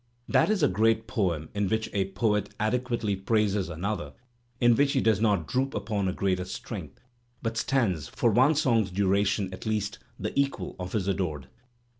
That is a great poem in which a poet adequately praises another, in which he does not droop upon a greater strength, but stands, for one song*s duration at least, the equal of his adored.